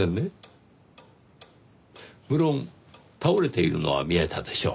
無論倒れているのは見えたでしょう。